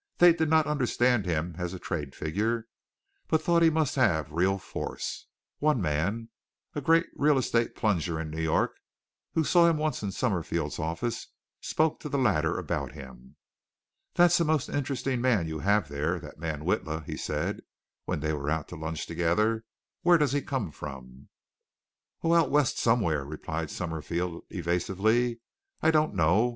They did not understand him as a trade figure, but thought he must have real force. One man a great real estate plunger in New York, who saw him once in Summerfield's office spoke to the latter about him. "That's a most interesting man you have there, that man Witla," he said, when they were out to lunch together. "Where does he come from?" "Oh, the West somewhere!" replied Summerfield evasively. "I don't know.